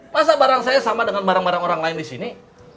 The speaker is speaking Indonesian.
masa barang saya sama dengan barang barang orang lain di sini